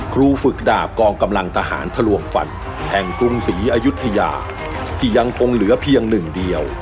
ครูฝึกดาบกองกำลังทหารทะลวงฟันแห่งกรุงศรีอายุทยาที่ยังคงเหลือเพียงหนึ่งเดียว